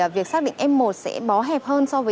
việc xác định m một sẽ bó hẹp